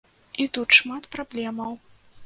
І тут шмат праблемаў.